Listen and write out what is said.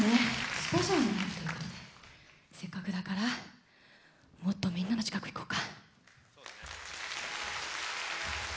スペシャルなライブということでせっかくだからもっとみんなの近く行こうか。